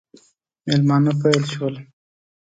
مېلمانه پیل شول.